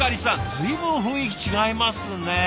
随分雰囲気違いますね。